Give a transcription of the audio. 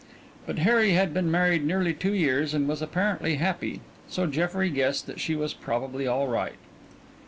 But Harry had been married nearly two years and was apparently happy, so Jeffrey guessed that she was probably all right.